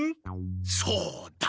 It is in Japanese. そうだ。